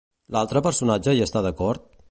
L'altre personatge hi està d'acord?